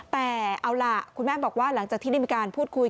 แต่เอาล่ะคุณแม่บอกว่าหลังจากที่ได้มีการพูดคุย